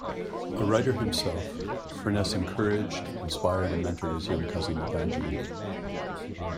A writer himself, Furness encouraged, inspired and mentored his young cousin Evangeline.